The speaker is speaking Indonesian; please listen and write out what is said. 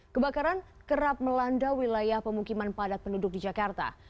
kebakaran kerap melanda wilayah pemukiman padat penduduk di jakarta